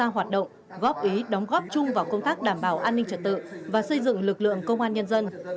hoạt động góp ý đóng góp chung vào công tác đảm bảo an ninh trật tự và xây dựng lực lượng công an nhân dân